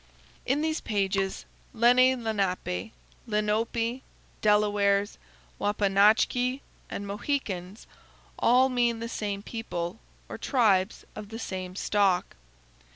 In these pages, Lenni Lenape, Lenope, Delawares, Wapanachki, and Mohicans, all mean the same people, or tribes of the same stock.